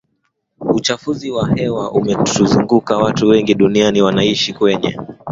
Uchafuzi wa hewa umetuzunguka Watu wengi duniani wanaishi kwenye